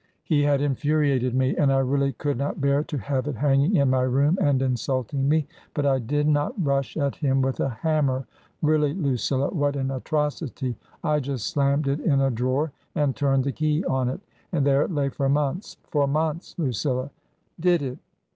He had infuriated me, and I really could not bear to have it hanging in my room and insulting me. But I did not rush at him with a hammer. Really, Lucilla ! What an atrocity ! I just slammed it in a drawer and turned the key on it. And there it lay for months. For months^ Lucilla !" "Did it?"